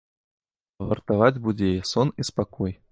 А вартаваць будзе яе сон і спакой!